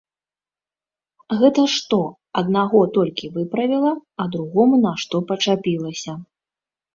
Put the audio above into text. Гэта што, аднаго толькі выправіла, а другому нашто пачапілася.